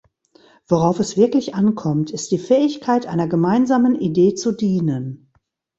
Worauf es wirklich ankommt, ist die Fähigkeit, einer gemeinsamen Idee zu dienen.